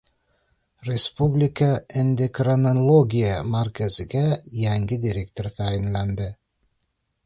Respublika endokrinologiya markaziga yangi direktor tayinlandi